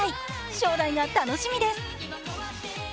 将来が楽しみです。